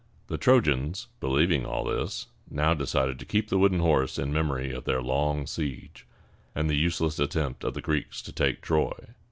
The Trojans, believing all this, now decided to keep the wooden horse in memory of their long siege, and the useless attempt of the Greeks to take Troy.